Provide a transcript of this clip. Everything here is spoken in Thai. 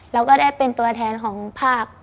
เราก็ได้เป็นตัวแทนของภาค